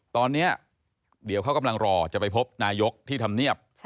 ตอนนี้เดี๋ยวเขากำลังรอจะไปพบนายกที่ทำเนียบ